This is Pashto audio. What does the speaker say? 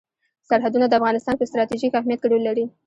سرحدونه د افغانستان په ستراتیژیک اهمیت کې رول لري.